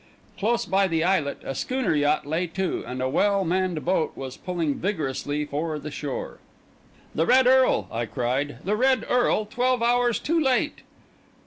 Close by the islet a schooner yacht lay to, and a well manned boat was pulling vigorously for the shore. "The Red Earl!" I cried. "The Red Earl twelve hours too late!"